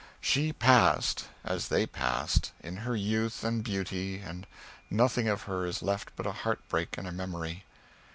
She passed, as they passed, in her youth and beauty, and nothing of her is left but a heartbreak and a memory.